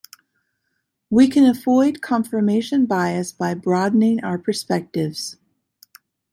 We can avoid confirmation bias by broadening our perspectives.